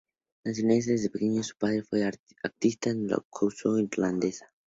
Nacionalista desde pequeño, su padre fue un activista de la causa irlandesa.